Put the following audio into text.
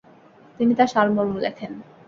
তিনি তার সারমর্ম লেখেন।